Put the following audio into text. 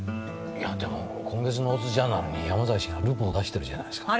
いやでも今月の大津ジャーナルに山崎氏がルポを出してるじゃないですか。